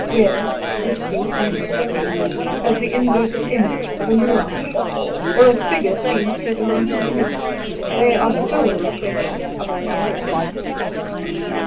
Weird, misty, and distorted as the inverted image of a mirage, or a figure seen through the mountain mist, they are still the reflections of a reality.